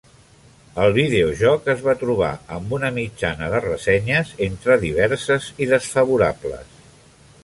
El videojoc es va trobar amb una mitjana de ressenyes entre diverses i desfavorables.